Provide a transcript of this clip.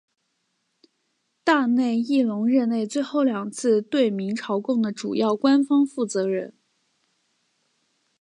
大内义隆任内最后两次对明朝贡的主要官方负责人。